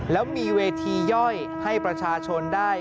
แล้วมีเวทีย่อยให้ประชาชนได้